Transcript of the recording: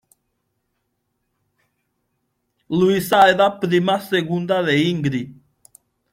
Luisa era prima segunda de Ingrid.